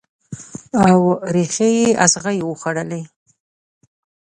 او ریښې یې اغزو وخوړلي